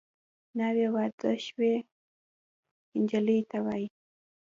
ناوې واده شوې نجلۍ ته وايي